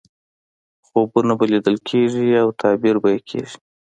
خوبونه به لیدل کېږي او تعبیر به یې کېږي.